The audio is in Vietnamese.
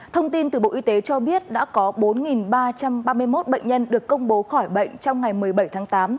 thông tin từ bộ y tế cho biết đã có bốn ba trăm ba mươi một bệnh nhân được công bố khỏi bệnh trong ngày một mươi bảy tháng tám